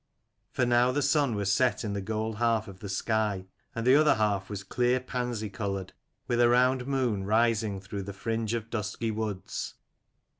For now the sun was set in the gold half of the sky, and the other half was clear pansy coloured, with a round moon rising through the fringe of dusky woods.